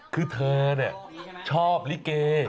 คือเธอเนี่ยชอบลิเก